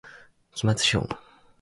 期末資本